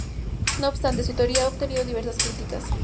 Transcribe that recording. No obstante, su teoría ha obtenido diversas críticas.